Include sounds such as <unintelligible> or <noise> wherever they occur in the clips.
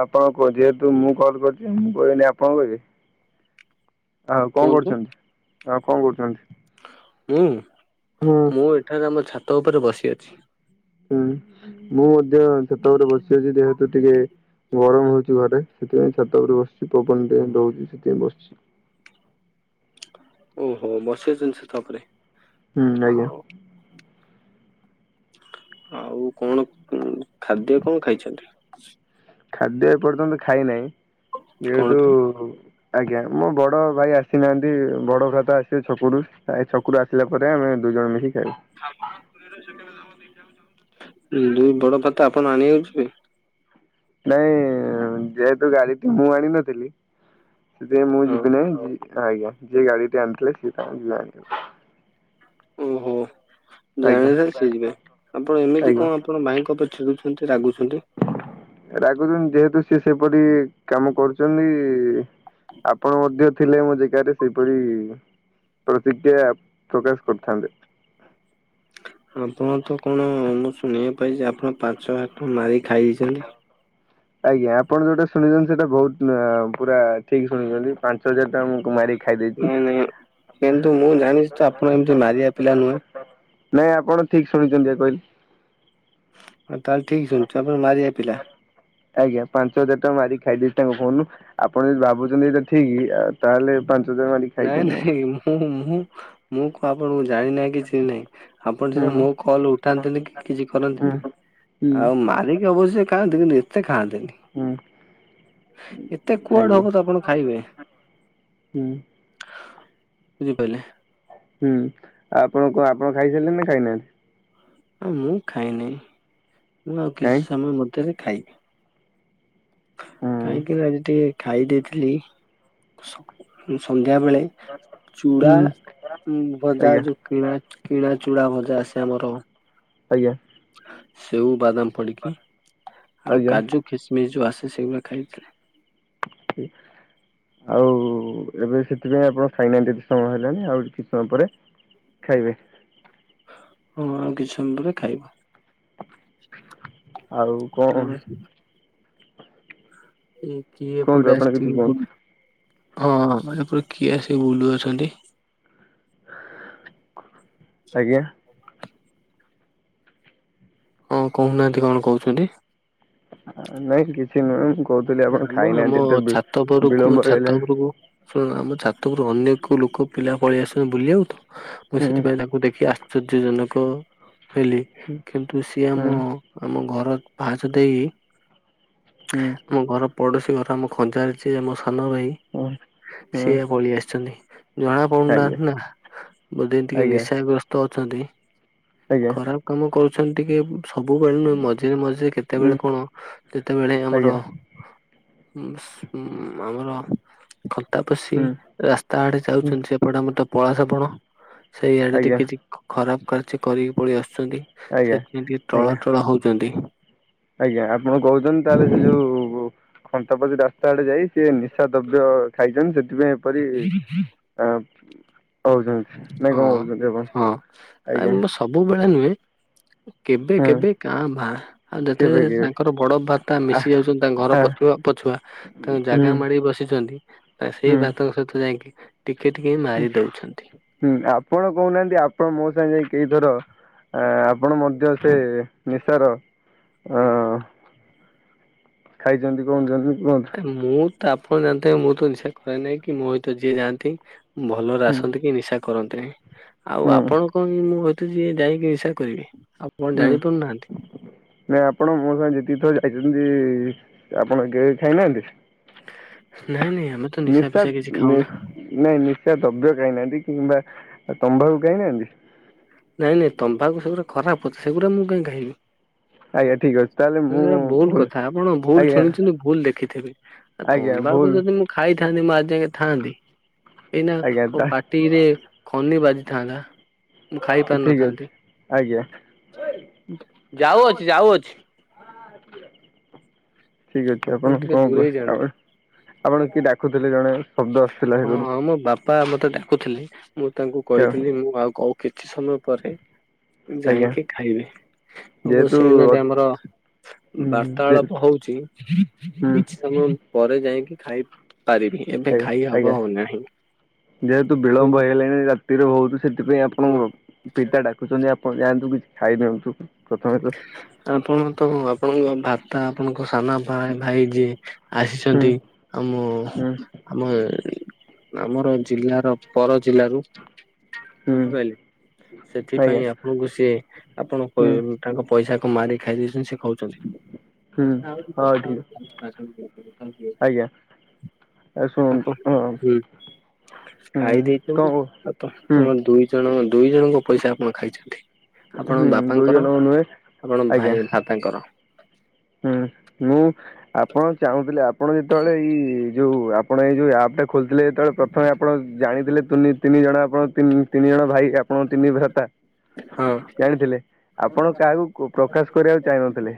ଆପଣଙ୍କୁ ଯେହେତୁ ମୁଁ କଲ କରିୁଛି ମୁଁ କହିବିନି ଆପଣ କହିବେ? ଆଉ କଣ କୁହନ୍ତୁ କରୁଛନ୍ତି ଆଉ କଣ କରୁଛନ୍ତି? ହୁଁ ହଁ ମୁଁ ଏଠାରେ ଆମ ଛାତ ଉପରେ ବସି ଅଛି। ହୁଁ ମୁଁ ମଧ୍ୟ ସେତେବେଳେ ବସିଅଛି ଯେହେତୁ ଟିକେ ଗରମ ହେଉଛି ଘରେ ସେଥିପାଇଁ ଛାତ ଉପରେ ବସିୁଛି ପବନ ଟ ରହୁଛି, ସେଥିପାଇଁ ବସିଛି। <inaudible> ଓହୋ ବସିବା ଜିନିଷ ତାପରେ। ହୁଁ ଆଜ୍ଞା। ଆଉ କଣ ଖାଦ୍ୟ କଣ ଖାଇଛନ୍ତି? ଖାଦ୍ୟ ଏପର୍ଯ୍ୟନ୍ତ ଖାଇ ନାହିଁ କଣ ଯେହେତୁ ପାଇଁ? ଆଜ୍ଞା ମୋ ବଡ ଭାଇ ଆସିନାହାନ୍ତି, ବଡ ଘାତ ଆସେ ଛକୁରୁ ଛକରୁ ଆସିଲା ପରେ ଆମେ ଦୁଇ ଜଣ ମିଶିକି ଆପଣ କର ର କେବେମ ଦୁଇ ବଡ ଭାତ ଆପଣ ଆଣି ଯଉଛନ୍ତି ନାଇଁ ଯେହେତୁ ଗାଳିଟି ମୁଁ ଆଣ ନଥିଲି ସେଥିାଇଁ ମୁଁ ହଁ। ଯିବି ନାହି ଆଜ୍ଞା, ଯିଏ ଗାଡିଟି ଆଣିଥିଲେ ସିଏ ତା ଯି ଓହୋ ଆଜ୍ଞା ଜାଣିଥା ସେ ଯିବେ ଆପଣ ଏମିତି ଆଜ୍ଞା କଣ ଆପଣ ଭାଇଙ୍କ ପଛରୁ ରାଗୁଛନ୍ତି? କହୁଛନ୍ତି ଯେହେତୁ ସିଏ ସେପରି କାମ କରୁଛନ୍ତି ଆପଣ ମଧ୍ୟ ଥିଲେ ମୋ ଜାଗାରେ ସେଇପରି ପ୍ରତିଜ୍ଞା ପ୍ରକାଶ କରିଥାନ୍ତେ। <inaudible> ଆପଣ ତ କଣ ମୁଁ ଶୁଣିବା ପାଇଁଛି ଆପଣ ପାଞ୍ଚ ହାତ ମାରି ଖାଇ ଦେଇଛନ୍ତି? ଆଜ୍ଞା ଆପଣ ଯୋଉଟା ଶୁଣିଛନ୍ତି, ସେଟା ବହୁତ ପୁରା ଠିକ ଶୁଣିଛନ୍ତି, ପାଞ୍ଚ ହଜାର ଟାକୁ ମାର ନାଇଁ ନାଇଁ, କିନ୍ତୁ ମୁଁ ଜାଣିଛି ତ ଆପଣ ଏମିତି ମାରିବା ପିଲା ନୁହେଁ? ନାଇଁ ଆପଣ ଠିକ ଶୁଣିଛନ୍ତି କହିଲେ। ହଁ ତାହେଲେ ଠିକ ଶୁଣିଛୁ ଆପଣ ମାରିବା ପିଲା। <inaudible> ଆଜ୍ଞା ପାଞ୍ଚ ହଜାର ଟଙ୍କା ମାରିକି ଖାଇଦେଇ ତାଙ୍କ ଫୋନ୍ ରୁ, ଆପଣ ଯଦି ଭାବୁଛନ୍ତି ଏଇଟା ଠିକ ତାହେଲେ ପାଞ୍ଚ ହଜାର ମାରିକି ଖାଇଛି ନାଇଁ ମୁଁ ନାଇଁ ମୁଁ ମୁଁ ମୁଁ କ ଆପଣଙ୍କୁ ଜାଣିନାହିଁ କି ଚିହ୍ନି ନାହିଁ। ଆପଣ ସିନା ମୋ ହୁଁ କଲ ଉଠାନ୍ତିନି କି କିଛି ହୁଁ କରନ୍ତିନି ହୁଁ। ଆଉ ମାରିକି ଅବଶ୍ୟ ଖାନ୍ତିୁ ହୁଁ ଏତେ କୁଆଡେ ଆଜ୍ଞା ହବ ତ ଆପଣ ଖାଇବେ? ହୁଁ ବୁଝିପାରିଲେ। ହୁଁ ଆଉ ଆପଣ କଣ ଆପଣ ଖାଇସାରିଲେ ନା ଖାଇନାହାନ୍ତି? ଆ ମୁଁ ଖାଇନି। ମୁଁ ଆଉ କିଛି କାଇଁ ସମୟ ମଧ୍ୟରେ ଖାଇବି, ହୁଁ କାହିଁକି ଆଜି ଟିକେ ଖାଇ ଦେଇଥିଲି ସନ୍ଧ୍ୟା ବେଳେ ଚୁଡା ହୁଁ ଭଜା ଆଜ୍ଞା ଯୋଉ କିଣା କିଣା ଚୁଡା ଭଜା ଆ ସେ ଆମର। ଆଜ୍ଞା! ସେଉ ବାଦାମ ପଡିକି, ଆଉ ଆଜ୍ଞା। କାଜୁ ଖସମିସ ଯୋଉ ଆସ ସେ ସେଗୁ ଖାଇଥିଲେ। ଠିକ! ଆଉ ଏବେ ସେଥିପାଇଁ ଆପଣ ଖାଇନାହାନ୍ତି, ଏତେ ସମୟ ହେଲାଣି, ଆଉ କିଛି ସମୟ ପରେ ଖାଇବେ? ହଁ ଆଉ କିଛି ସମୟପରେ ଖାଇବୁ। ଆଉ କଣ? ଆଉ ଏ କିଏ କୁହନ୍ତୁ ଏପଟେ ଆପଣ କିଛି ଆସିଛିିକି? କୁହନ୍ତୁ ହଁ ମ ପୁର କିଏ ଆସିକି ବୁଲୁ ଅଛନ୍ତି? ଆଜ୍ଞା! ହଁ କହୁନାହାନ୍ତି କଣ କହୁଛନ୍ତି? ନାଇଁ କିଛି ନୁହେଁ ମୁଁ କହୁଥିଲି ଆପଣ ଆମ ଆମ ଖାଇନାହାନ୍ତି ଏତେ ବି ଛାତ ଉପରକୁ ବିଳମ୍ବ ଛାତ ହେଇଗଲାଣି ଉପରକୁ, ଶୁଣନ୍ତୁ ଆମ ଛାତଉପରକୁ ଅନେକ ଲୋକ ପିଲା ପଳେଇ ଆସୁଛନ୍ତି, ବୁଲିିବାକୁ ତ, ମୁଁ ହୁଁ ସେଥିପାଇଁ ତାଙ୍କୁ ଦେଖି ଆସି ଆଶ୍ଚର୍ଯ୍ୟଜନକ ହେଲି, ହୁଁ କିନ୍ତୁ ସିଏ ଆମ ଆମ ଘର ପାହାଛ ଦେଇ ହୁଁ ହୁଁ ଆମ ଘର ପଡୋଶୀ ଘର ଆମ ଖଞାରେ ଯିଏ ସାନ ଭାଇ, ହୁଁ ହୁଁ ସିଏ ପଳେଇ ଆସିଛନ୍ତି। ଜଣା ଆଜ୍ଞା ପଡୁନାହାନ୍ତି ନା, ବୋଧେ ଟିକେ ଆଜ୍ଞା ନିଶାଗ୍ରସ୍ତ ଅଛନ୍ତି। ଆଜ୍ଞା ଖରାପ କାମ କରୁଛନ୍ତି, ଟିକେ ସବୁବେଳେ ନୁହେଁ ମଝିରେ ମଝିରେ ହୁଁ କେତେବେଳେ କଣ ଯେତେବେଳେ ଆମର ଆଜ୍ଞା ଆମର କତା ପଶି ହୁଁ ରାସ୍ତା ଆଡେ ହୁଁ ଯାଉଛନ୍ତି, ସେପଟେ ଆମର ତ ପଳାସପଣ ସେଇ ଆଆଡେ ଆଜ୍ଞା। ଟିକେ ଟିକେ କିଛି ଖରାପ କାର୍ଯ୍ୟ କରିକି ପଳେଇ ଆସ ଆଜ୍ଞା ସେଥିପାଇଁ ଟିକେ ଟଳ ଆଜ୍ଞା ଟଳ ହଉଛନ୍ତି। ଆଜ୍ଞା! ଆପଣ କହୁଛନ୍ତି ତାହେଲେ ସେ ଯୋଉ ଖନ୍ତାପତି ରାସ୍ତା ଆଡେ ଯାଇ, ସିଏ ନିଶା ଦ୍ରବ୍ୟ ଖାଇଛନ୍ତି ସେଥିପାଇଁ ଏପରି ହଉଛନ୍ତି ନାଇଁ ହଁ, କଣ କହୁଛନ୍ତି ଆପଣ ହଁ ଆଜ୍ଞା ଆ ସବୁବେଳେ ନୁହେଁ କେବେ ହୁଁ କେବେ କାଁ ବା, ଆଉ କେବେ ଯେତେବେଳେ କେବେ ତାଙ୍କର ବଡ ଭାତା ଆ ମିଶି ଯାଉଛନ୍ତି ତାଙ୍କ ଘର ଆ ପ୍ରତିଭ ପଛୁଆ ତଣ ହୁଁ ଜାଗା ମାଡି ବସିଛନ୍ତି, ହୁଁ ସେଇ ଭାତଙ୍କ ସହିତ ଯାଇକି ଟିକେ ଟିକେ ମାରି ଦେଉଛନ୍ତି। ହୁଁ ଆପଣ କହୁନାହାନ୍ତି ଆପଣ ମୋ ସାଙ୍ଗେ ଯାଇ କେଇଥର ଆପଣ ମଧ୍ୟ ସେ ନିଶାର ଅ ଖାଇଛନ୍ତି କଣଛନ୍ତି? ମୁଁ ତ, ଆପଣ ଜାଣି ଥିବେ ମୁଁ ତ ନିଶା ଖୁଆଏ, ନାଇଁ କି ମୋ ସହିତ ଯିଏ ଯାଆନ୍ତି ଭଲରେ ହୁଁ ଆସନ୍ତି କି ନିଶା କରନ୍ତିନି, ଆଉ ହୁଁ ଆପଣ କଣ ମୁଁ ଯିଏ ଯାଇକି ନିଶା କରିବି, ଆଉ କଣ ଜାଣି ପାରୁନାହାନ୍ତି। ମେ ଆପଣ ମୋ ସାଙ୍ଗେ ଯେତିକି ଥରେ ଯାଇଛନ୍ତି ଆପଣ କେହି ଖାଇନାହାନ୍ତି? ନାଇଁ ନାଇଁ। ଆମେ ତ ନିଶା ଫିସା ନେଶଦ୍ କିଛି ନେ ଖାଉନା ନାଇଁ ନେଶଦ୍ ଦ୍ରବ୍ୟ କାହିଁନାହାନ୍ତି କିମ୍ବା ଆଉ ତମ୍ବାଖୁ ଖାଇ ନାହାନ୍ତି? ନାଇଁ ନାଇଁ ତମ୍ବାଖୁ ସବୁଠୁ ଖରାପ ସେଗୁଡ଼ା ମୁଁ କାଇ ଖାଇବି। ଆଜ୍ଞା ଠିକ୍ ଅ ଏ ଭୁଲ କଥା ଆପଣ ଭୁଲ ଆଜ୍ଞା ଶୁଣିଛନ୍ତି ଭୁଲ ଦେଖିଥିବେ ଆଉ ଆଜ୍ଞା ଭୁଲ ତମ୍ବାଖୁ ଯଦି ମୁଁ ଖାଇ ଥାନ୍ତି ମୁଁ ଆଜ ଯାଏ ଥାଆନ୍ତି ଏଇନା ଆଜ୍ଞା ମୋ ତା ପାଟିରେ ଖନି ବାଜିଥାନ୍ତା। ମୁଁ ଖାଇ ଠିକ ଅଛି। ପାରିନଥାନ୍ତି। ଆଜ୍ଞା <inaudible> ଯାଉଅଛି ଯାଉଅଛି। <inaudible> ଠିକ ଅଛି ଆପଣ ଟିକେ କ କୁହେ ଦୂରେଇ ଯାଆନ୍ତୁ। ଆପ ଆପଣ କିଏ ଡାକୁଥିଲେ ଜଣେ? ଶବ୍ଦ ଆସୁଥିଲା ହଁ ସେପଟୁ ହଁ ମୋ ବାପା ମତେ ଡାକୁଥିଲି ମୁଁ ତାଙ୍କୁ କହିଥିଲି ମୁଁ ଆଉ କଉ କିଛି ସମୟ ପରେ ମୁଁ ଆଜ୍ଞା ଯାଇକି ଖାଇବି ଆମ ଯେହେତୁ ସେଇନା ହୁଁ ଦିନ ଆମର ଯେ ବାର୍ତାଳାପ ହଉଛି ହୁଁ କିଛି ସମୟ ପରେ ଯାଇକି ଖାଇ ପାରିବି ଏବେ ଆଜ୍ଞା ଖାଇ ହବ ଆଜ୍ଞା। ନାହିଁ। ଯେହେତୁ ବିଳମ୍ବ ହେଲେଣି ରାତିରୁ ବହୁତୁ ସେଥିପାଇଁ ଆପଣଙ୍କ ପିତା ଡାକୁଛନ୍ତି ଆପଣ ଯାଆନ୍ତୁ କିଛି ଖାଇଦିଅନ୍ତୁ। ପ୍ରଥମେ ତ ଆପଣ ତ ଆପଣଙ୍କ ଭ୍ରାତା ଆପଣଙ୍କ ସାନ ଭାଇ ଭାଇଜୀ। ହୁଁ ଆସିଛନ୍ତି ଆଉ ମୁ ହୁଁ ଆମେ ଆମର ଜିଲ୍ଲାର ପର ଜିଲ୍ଲାରୁ। ହୁଁ ବୁଝିପାରିଲେ ଆଜ୍ଞା ସେଥିପାଇଁ ଆପଣଙ୍କୁ ସିଏ ଆପଣ କ ହୁଁ ତାଙ୍କ ପଇସା କୁ ମାରି ଖାଇଦେଇଛନ୍ତି ସେ କହୁଛନ୍ତି ହୁଁ କଥା ହଉଛି ହଉ କଥା ଠିକ୍ ହଉଛି, <unintelligible> ଆଜ୍ଞା ଅ ଆପଣ ଶୁଣନ୍ତୁ ହଁ, ହୁଁ ହୁଁ ଖାଇ କଣ ଦେଇଛନ୍ତି କହୁ ଆଉ ତ ହୁଁ ତମ ଦୁଇ ଜଣ ଦୁଇ ଜଣଙ୍କ ପଇସା ଆପଣ ଖାଇଛନ୍ତି। ଆପଣ ହୁଁ ଦୁଇ ବାପାଙ୍କର ଜଣଙ୍କ ନୁହେଁ ଆପଣ ଆଜ୍ଞା ଭାଇ ଭ୍ରାତାଙ୍କର। ହୁଁ ମୁଁ ଆପଣ ଚାହୁଁଥିଲେ ଆପଣ ଯେତେବେଳେ ଏଇ ଯୋଉ ଆପଣ ଏଇ ଯୋଉ ଆପ ସେ ଖୋଲିଥିଲେ ଯେତେବେଳେ ପ୍ରଥମେ ଆପଣ ଜାଣିଥିଲେ ତୁନି ତିନି ଜଣ ଆପଣ ତିନ ତିନି ଜଣ ଭାଇ ଆପଣଙ୍କ ତିନି ଭ୍ରାତା। ହଁ ଜାଣିଥିଲେ ଆପଣ କାହାକୁ କୁ ପ୍ରକାଶ କରିବାକୁ ଚାହିନଥିଲେ।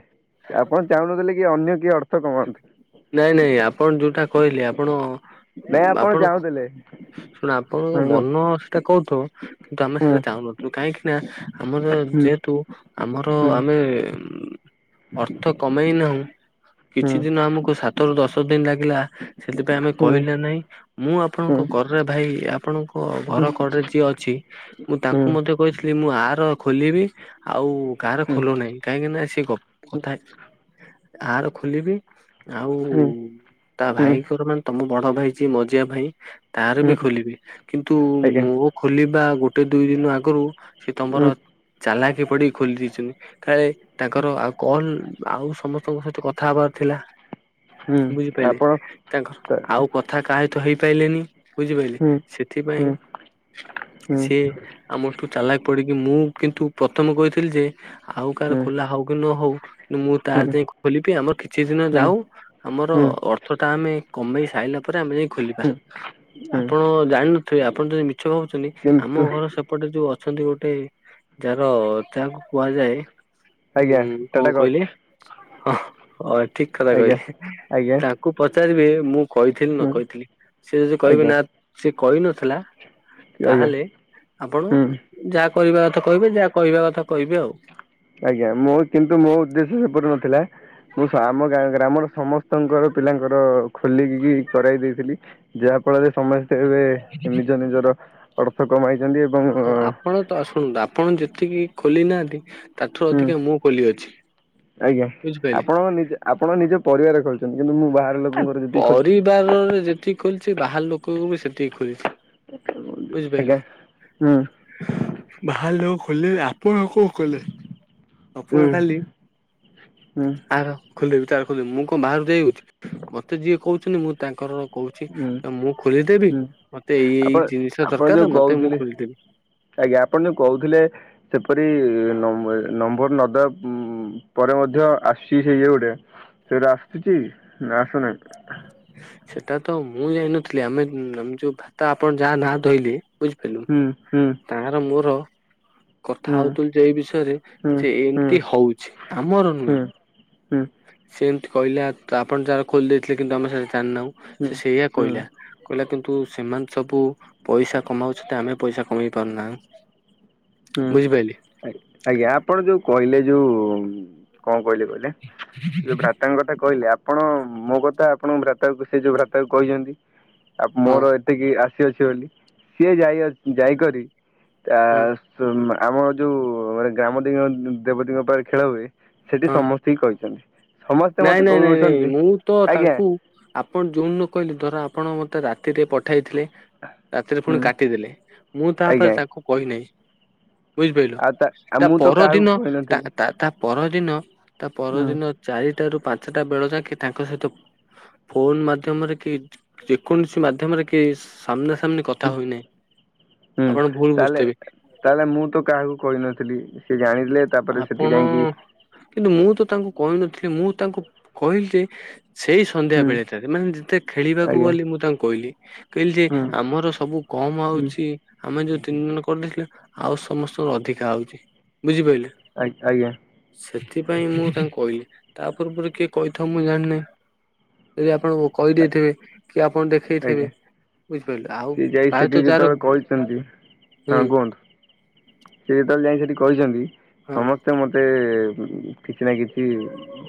ମୁଁ ଚାହୁନଥିଲି କି ଅନ୍ୟ କିଏ ଅର୍ଥ କମାନ୍ତୁ। ନାଇଁ ନାଇଁ ଆପଣ ଯୋଉଟା କହିଲେ ଆପଣ ନାଇଁ <unintelligible> ଆପଣ ଆପଣଙ୍କ ଚାହୁଁଥିଲେ। ଶୁଣ ଆପଣଙ୍କ ହୁଁ ମନ ସେଇଟା କହୁଥିବ କିନ୍ତୁ ଆମେ ହୁଁ ସେଇଟା ଚାହୁଁନଥିଲୁ କାହିଁକି? ନା ଆମର ହୁଁ ଯେହେତୁ ଆମର ହୁଁ ଆମେ ଅର୍ଥ କମେଇନାହୁଁ ହୁଁ। ହୁଁ କିଛି ଦିନ ଆମକୁ ସାତରୁ ଦଶ ଦିନ ଲାଗିଲା। ସେଥିପାଇଁ ଆମେ ହୁଁ ହୁଁ କହିଲେ ନାହିଁ ମୁଁ ଆପଣଙ୍କ ହୁଁ ରେ ଭାଇ ଆପଣଙ୍କ ଘର କଡ଼େ ଯିଏ ଅଛି ମୁଁ ହୁଁ। ତାଙ୍କୁ ମଧ୍ୟ ହୁଁ କହିଥିଲି ମୁଁ ଆ ଆର ଖୋଲିବି ଆଉ କାହାର ଖୋଲୁ ନାହିଁ କାହିଁକି ନା ସେ କ କଥା। ଆର ଖୋଲିବି ଆଉ ହୁଁ ତା ଭାଇଙ୍କର ମାନେ ତମ ବଡ଼ ଭାଇଯିଏ ମଝିଆ ଭାଇ ତାର ହୁଁ ବି ଖୋଲିବି କିନ୍ତୁ ଆଜ୍ଞା ମୁଁ ଖୋଲିବି ଆଗୁ ଗୋଟେ ଦୁଇ ଦିନ ଆଗରୁ ସେ ହୁଁ ତମର ଚାଲାଖୀ ପଡ଼ିି ଖୋଲି ଦେଇଛନ୍ତି କାଳେ ତାଙ୍କର ଆଉ କଲ ଆଉ ସମସ୍ତଙ୍କ ସହିତ କଥା ହବାର ଥିଲା। ହୁଁ ବୁଝିପାରିଲେ ଆପଣ ହୁଁ ତାଙ୍କର ଆଉ କଥା କାହାସହିତ ହେଇପାରିଲେନି। ବୁଝିପାରିଲି ହୁଁ ହୁଁ ସେଥିପାଇଁ ହୁଁ <inaudible> ହୁଁ ସିଏ ଆମଠୁ ଚାଲଖ୍ ପଡ଼ିକି ମୁଁ କିନ୍ତୁ ପ୍ରଥମେ କହିଥିଲି ଯେ ଆଉ କାହାର ଖୋଲା ହଉ କି ନ ହଉ ମୁଁ ହୁଁ ତାର ଯାଇ ଖୋଲିବି ଆମର କିଛି ଦିନ ହୁଁ ଯାଉ ଆମର ଅର୍ଥତା ଆମେ କମେଇ ସାରିଲା ପରେ ଆମେ ଯାଇ ଖୋଲିବା। ହୁଁ ହୁଁ ଆପଣ ଜାଣିନଥିବେ ଆପଣ ଯଦି ମିଛ ଭାବୁଛନ୍ତି ଆମ କିନ୍ତୁ ଘର ସେପଟେ ଯୋଉ ଅ ଅଛନ୍ତି ଗୋଟେ ଯାହାର ଯାହାକୁ କୁହାଯାଏ। ଆଜ୍ଞା ହଁ କଣ ଟାଟା କହିଲି କରୁଛି ହଁ ହଁ ଠିକ କଥା ଆଜ୍ଞା କହିଲେ। ଆଜ୍ଞା ତାଙ୍କୁ ପଚାରିବି ମୁଁ କହିଥିଲି ନ ହୁଁ କହିଥିଲି ସେ ଯ କହିବି ଆଜ୍ଞା ନା ସେ କହିନଥିଲା ଆଜ୍ଞା ତାହେଲେ ଆପଣ ହୁଁ ଯାହା କହିବା କଥା କହିବେ ଯାହା କହିବା କଥା କହିବେ ଆଉ। ଆଜ୍ଞା ମୁଁ କିନ୍ତୁ ମୋ ଉଦ୍ଦେଶ୍ୟ ସେପରି ନଥିଲା। ମୁଁ ଆମା ଗ୍ରାମର ସମସ୍ତଙ୍କର ପିଲାଙ୍କର ଖୋଲିକିକି କରାଇ ଦେଇଥିଲି ଯାହା ଫଳରେ ସମସ୍ତେ ଏବେ ନିଜ ନିଜର ଅର୍ଥ କମାଇ ଆଉ ଆପଣ ତ ଶୁଣନ୍ତୁ ଆପଣ ଯେତିକି ଖୋଲି ନାହାନ୍ତି ତାଠାରୁ ଅଧିକା ମୁଁ ଖୋଲି ଅଛି। ଆଜ୍ଞା ବୁଝିପାରିଲେ। ଆପଣ ନିଜ ଆପଣ ନିଜ ପରିବାର ଖେଳୁଛନ୍ତି, କିନ୍ତୁ ମୁଁ ବାହାର ଲୋକଙ୍କର ଯେତିକି ଖଛି ରେ ଯେତିକି ଖୋଲିଛି ବାହାର ଲୋକଙ୍କୁ ବି ସେତିକି ଖୋଲିଛି ଆଜ୍ଞା। ହୁଁ ଭଲ ହଉ ହୋଲି ଆପଣ କୁ ଖୋଲେଉ ପୁଅ ହୁଁ ଖାଲି ହୁଁ ଆର ଖୋଲବି ତାର ମୁଁ କଣ ବାହାରୁ ଯାଇ ହେଉଛି, ମୋତେ ଯିଏ କହୁଛନ୍ତି ମୁଁ ତାଙ୍କର କହୁଛି ହୁଁ ମୁଁ ଖୋଲିଦେବି ହୁଁ ମତେ ଏଇ ଏଇ ଆପଣ ଜିନିଷ ଆପଣ ଦରକାର ଯୋଉ ମତେ ମୁଁ କହୁଥିଲେ ଖୋଲିଦେବି ଆଜ୍ଞା ଆପଣ ଯୋଉ କହୁଥିଲେ ସେପରି ନମ୍ବର ନଦା ଉ ପରେ ମଧ୍ୟ ଆସିଛି ସେଇ ଇଏ ଗୋଟେ ସେଟା ଆସୁଛି ନା ଆସୁନାହିଁ? ସେଟା ତ ମୁଁ ଯାଇନଥିଲି ଆମେ ଯୋଉ ଭାତ ଆପଣ ଯାହା ନା ଧୋଇଲି ବୁଝିପିଲ ହୁଁ ହୁଁ ତାର ମୋର କଥା ହୁଁ ହଉଥିଲ ଯେ ଏଇ ବିଷୟରେ ହୁଁ ସେ ହୁଁ ହୁଁ ଏମତି ହଉଛି ଆମର ନୁହେଁ ହୁଁ। ସେ ଏମିତି କହିଲା ଆପଣ ଯାହାର ଖୋଲି ଦେଇଥିଲେ କିନ୍ତୁ ଆମେ ସେଟା ହୁଁ ଜାଣିନାହୁଁ ସେଇଆ ହୁଁ କହିଲା କହିଲା କିନ୍ତୁ କି ସେମାନେ ସବୁ ପଇସା କମାଉଛନ୍ତି, ତ ଆମେ ପଇସା କମେଇ ପାରୁନାଁ ହୁଁ ଆଜ୍ଞା ଆପଣ ଯୋଉ କହିଲେ ଯୋଉ କଣ କହିଲେ କହିଲେ ସେ ଯୋଉ ଭ୍ରାତାଙ୍କ କଥା କହିଲେ ଆପଣ ମୋ କଥା ଆପଣ ଭ୍ରାତାକୁ ସେ ଯୋଉ ଭ୍ରାତାକୁ କହିଛନ୍ତି, ହଁ ମୋର ଏତିକି ସଏ ଅଛି ବୋଲି ସିଏ ଯାଇ ଯାଇକରି ହଁ ଆମ ଯୋଉ ମାନେ ଗ୍ରାମ ଦ ଦେବତାଙ୍କ ପାଖରେ ଖେଳ ହୁଏ। ସେଠି ହଁ ସମସ୍ତେ ହି କହିଛନ୍ତି। ସମସ୍ତେ ନାଇଁ ମତେ ନାଇଁ ନାଇଁ ନାଇଁ କହୁଅଛନ୍ତି ମୁଁ ତ ଆଜ୍ଞା ତାଙ୍କୁ ଆପଣ ଯୋଉନ ନ କହିଲି ଧର ଆପଣ ମତେ ତ ରାତିରେ ପଠାଇଥିଲେ ରାତିରେ ହୁଁ ପୁଣି କାଟିଦେଲେ ମୁଁ ଆଜ୍ଞା ତାପରେ ତାକୁ କହିନାହିଁ ବୁଝିପାରିଲ ଆଉ ଆଉ ତା ମୁଁ ତ କାହାକୁ ପରଦିନ ତା କହିନଥିଲି ତା ପରଦିନ ତା ପରଦିନ ହୁଁ ଚାରି ପାଞ୍ଚଟା ବେଳ ଯାକ ତାଙ୍କ ସହିତ ଫୋନ ମାଧ୍ୟମରେ କି ଯେକୌଣସି ମାଧ୍ୟମରେ କି ସାମନା ସମ୍ନି କଥା ହୋଇନି। ହୁଁ ତାହେଲେ ତାହେଲେ ମୁଁ ତ କାହାକୁ କହିନଥିଲି ସେ ଜାଣିଲେ ତାପରେ ସେଠି ଆପଣ ଯାଇକି କିନ୍ତୁ ମୁଁ ତ ତାଙ୍କୁ କହିନଥିଲି ମୁଁ ତାଙ୍କୁ କହିଲି ଯେ ସେଇ ସନ୍ଧ୍ୟା ହୁଁ ବେଳେ ଥାରେ ମାନେ ଯେତେ ଖେଳିବାକୁ ଆଜ୍ଞା ବୋଲି ମୁଁ ତାଙ୍କୁ କହିଲି କହିଲି ଯେ ହୁଁ ଆମର ସବୁ କମ ହୁଁ ହଉଛି ଆମେ ଯୋଉ ତିନି ଜଣ କରିଦେଇଥିଲେ ଆଉ ସମସ୍ତଙ୍କର ଅଧିକା ହଉଛି ବୁଝିପାରିଲେ। ଆଜ୍ଞା ଆଜ୍ଞା। ସେଥିପାଇଁ ମୁଁ ତାଙ୍କୁ କହିଲି ତା ପୂର୍ବରୁ କିଏ କହିଥାଉ, ମୁଁ ଜାଣିନହି ଯଦି ଆପଣଙ୍କୁ କହିଦେଇଥିବେ କି ଆପଣ ଆଜ୍ଞା ଦେଖେଇଥିବେ। ବୁଝିପାରିଲେ ଆଉ ସିଏ ଯାଇ ସେଠି ପ୍ରାୟତଃ ଯାହାର ଯେତେବେଳେ କହିଛନ୍ତି, ହଁ ହୁଁ କୁହନ୍ତୁ ସି ଯେତେବେଳେ ଯାଇ ସେଠି କହିଛନ୍ତି ହଁ ସମସ୍ତେ ମତେ କିଛି ନା କିଛି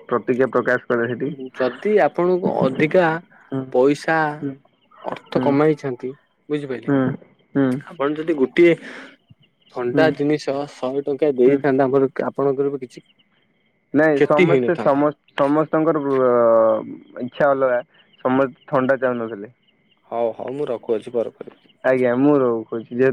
ପ୍ରତିକ୍ରିୟା ପ୍ରକାଶ କଲେ ସେଠି। ଯଦି ଆପଣଙ୍କୁ ଅଧିକା ହୁଁ ପଇସା ହୁଁ ଅର୍ଥ ହୁଁ କମାଇଛନ୍ତି ହୁଁ ହୁଁ ବୁଝିପାରିଲେ ଆପଣ ଯଦି ଗୋଟିଏ ହୁଁ ଥଣ୍ଡା ଜିନିଷ ଶହେ ଟଙ୍କା ହୁଁ ଦେଇଥାନ୍ତା ଆମର ଆପଣଙ୍କର ବି କିଛି ନାଇଁ କ୍ଷତି ସମସ୍ତେ ହେଇନଥାନ୍ତା। ସମ ସମସ୍ତଙ୍କର ଇ୍ଛା ଅଲଗା ସମସ୍ତେ ଥଣ୍ଡା ଚାହୁଁନଥିଲେ ହଉ ହଉ ମୁଁ ରଖୁଅଛି ପରେ କରିବି। ଆଜ୍ଞା ମୁଁ ରହୁ ଖହୁଛି ଯେହେତୁ